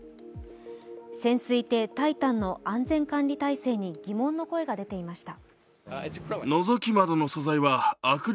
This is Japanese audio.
潜水艇「タイタン」の安全管理態勢に疑問の声が出ていました。